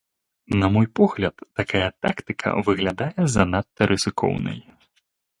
На мой погляд, такая тактыка выглядае занадта рызыкоўнай.